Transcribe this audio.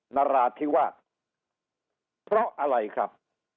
นราชที่ว่าเพราะอะไรครับ